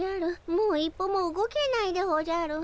もう一歩も動けないでおじゃる。